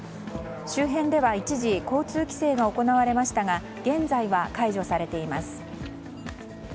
周辺では一時交通規制が行われましたが現在は解除されています。